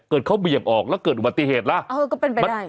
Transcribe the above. เกิดเขาเบียบออกแล้วเกิดอุบัติเหตุล่ะเออก็เป็นไปไม่ได้